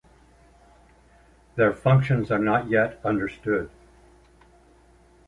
Their functions are not yet understood.